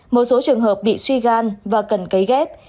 một số trường hợp bị suy gan và cần cấy ghép